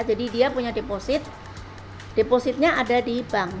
jadi dia punya deposit depositnya ada di bank